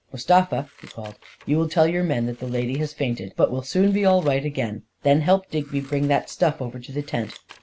" Mus tafa," he called, " you will tell your men that the lady has fainted, but will soon be all right again. Then help Digby bring that stuff over to the tent.